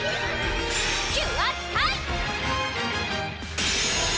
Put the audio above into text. キュアスカイ！